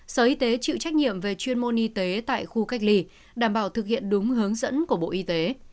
sở y tế chịu trách nhiệm về chuyên môn y tế tại khu cách ly đảm bảo thực hiện đúng hướng dẫn của bộ y tế